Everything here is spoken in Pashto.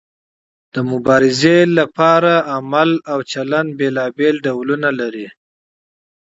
د مبارزې لپاره عمل او چلند بیلابیل ډولونه لري.